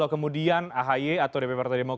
kemudian ahi atau dprd